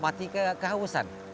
mungkin kami mati kehausan